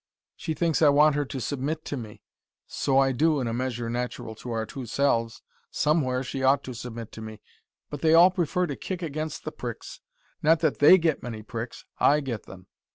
She thinks I want her to submit to me. So I do, in a measure natural to our two selves. Somewhere, she ought to submit to me. But they all prefer to kick against the pricks. Not that THEY get many pricks. I get them.